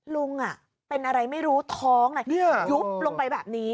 ลุงเป็นอะไรไม่รู้ท้องยุบลงไปแบบนี้